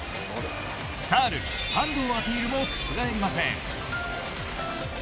サール、ハンドをアピールも覆りません。